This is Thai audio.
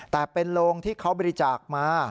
แต่เป็นโรงที่เขาบริจาคมา